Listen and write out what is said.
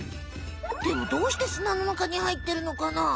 でもどうして砂の中に入ってるのかな？